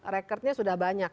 rekordnya sudah banyak